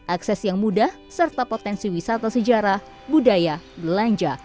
akses yang mudah serta potensi wisata sejarah budaya belanja